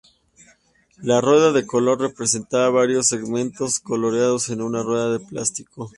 La rueda de color presentaba varios segmentos coloreados en una rueda de plástico.